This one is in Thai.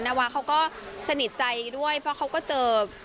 นาวาเขาก็สนิทใจด้วยเพราะเขาก็เจอ